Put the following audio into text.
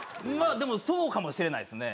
でもそうかもしれないですね。